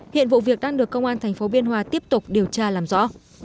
hiện vụ việc đang được công an tp biên hòa tiếp tục điều tra làm rõ